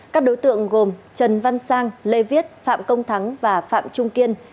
các đối tượng gồm trần văn sang lê viết phạm công thắng và phạm trung kiên